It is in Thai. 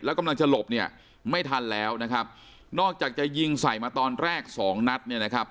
แล้วกำลังจะหลบเนี่ยไม่ทันแล้วนะครับนอกจากจะยิงใส่มาตอนแรกสองนัดเนี่ยนะครับ